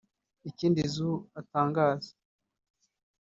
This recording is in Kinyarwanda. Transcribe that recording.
Ikindi Zhou atangaza